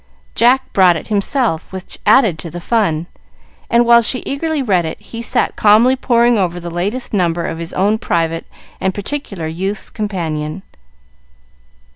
Jack brought it himself, which added to the fun, and while she eagerly read it he sat calmly poring over the latest number of his own private and particular "Youth's Companion."